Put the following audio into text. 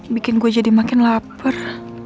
bikin gue jadi makin lapar